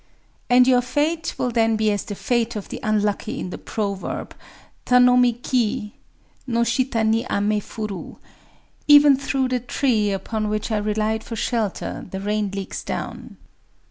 And your fate will then be as the fate of the unlucky in the proverb, Tanomi ki no shita ni amé furu [Even through the tree upon which I relied for shelter the rain leaks down].